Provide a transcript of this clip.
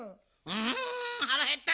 うはらへった！